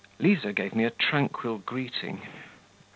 Liza gave me a tranquil greeting.